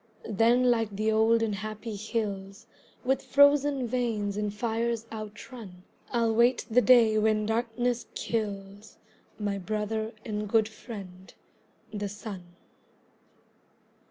Then like the old and happy hills With frozen veins and fires outrun, I'll wait the day when darkness kills My brother and good friend, the Sun.